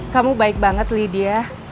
kamu baik banget lydia